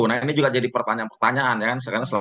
nah ini juga jadi pertanyaan pertanyaan ya kan